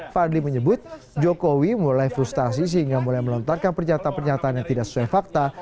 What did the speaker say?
fadli menyebut jokowi mulai frustasi sehingga mulai melontarkan pernyataan pernyataan yang tidak sesuai fakta